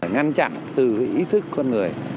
ngăn chặn từ ý thức con người